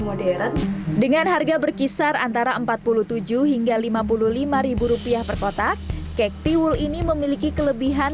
modern dengan harga berkisar antara empat puluh tujuh hingga lima puluh lima rupiah per kotak kek tiwul ini memiliki kelebihan